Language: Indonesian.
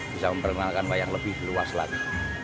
bisa memperkenalkan wayang lebih luas lagi